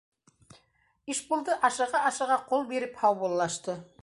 — Ишбулды ашыға-ашыға ҡул биреп һаубуллашты.